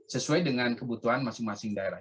sesuai dengan kebutuhan masing masing daerah